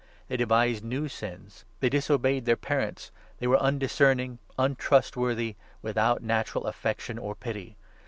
They devised new sins. They disobeyed their parents. They were undiscerning, 31 untrustworthy, without natural affection or pity.